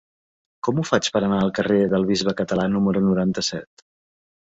Com ho faig per anar al carrer del Bisbe Català número noranta-set?